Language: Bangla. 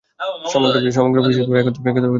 সমগ্র বিশ্বের একত্ব প্রমাণিত হইয়াছে।